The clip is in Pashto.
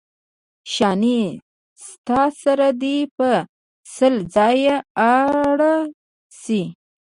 شانې ستا سر دې په سل ځایه اره شي.